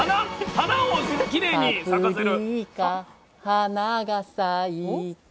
花をきれいに咲かせる。